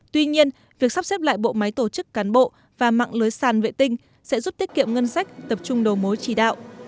tuy nhiên việc sắp xếp lại bộ máy tổ chức cán bộ và mạng lưới sàn vệ tinh sẽ giúp tiết kiệm ngân sách tập trung đầu mối chỉ đạo